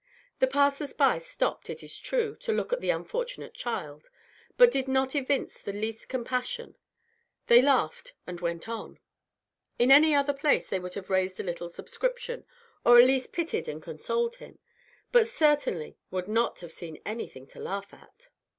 The passers by stopped, it is true, to look at the unfortunate child, but did not evince the least compassion; they laughed, and went on. In any other place, they would have raised a little subscription, or at least pitied and consoled him, but certainly would not have seen anything to laugh at.